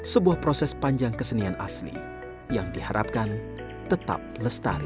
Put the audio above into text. sebuah proses panjang kesenian asli yang diharapkan tetap lestari